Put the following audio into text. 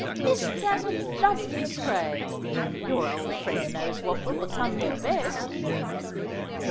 Isn't that a lovely spray? Your old friend knows what will become you best!"